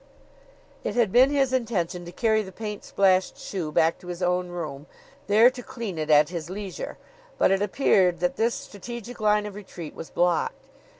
It had been his intention to carry the paint splashed shoe back to his own room, there to clean it at his leisure; but it appeared that his strategic line of retreat was blocked.